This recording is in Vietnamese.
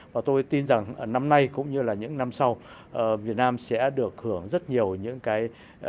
và tôi tin rằng năm nay cũng như là những năm sau việt nam sẽ được hưởng rất nhiều những cái